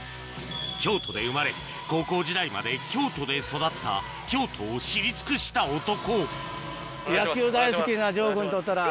京都で生まれ高校時代まで京都で育った京都を知り尽くした男野球大好きな丈君としたら。